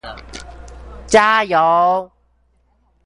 加油